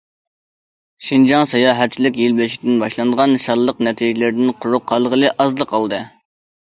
شىنجاڭ ساياھەتچىلىك يىل بېشىدىن باشلانغان شانلىق نەتىجىلىرىدىن قۇرۇق قالغىلى ئازلا قالدى.